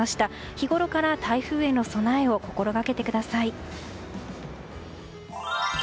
日ごろから台風への備えを心掛けてください。